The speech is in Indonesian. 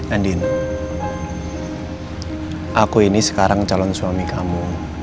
andin aku ini sekarang calon suami kamu